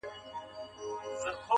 بهرني ځواکونه راپورونه جوړوي ډېر ژر